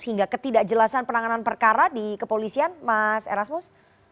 hingga ketidakjelasan penanganan perkara di kepolisian mas erasmus